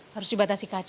harus dibatasi kaca